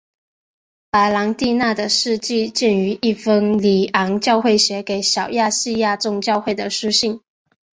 白郎弟娜的事迹见于一封里昂教会写给小亚细亚众教会的书信。